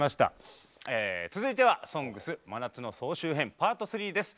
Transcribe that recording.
続いては「ＳＯＮＧＳ真夏の総集編パート３」です。